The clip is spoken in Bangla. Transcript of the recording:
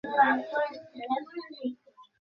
সে সিম্বাকে প্রচুর ভালোবাসে।